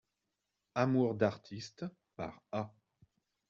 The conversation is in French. Amours d'artistes, par A.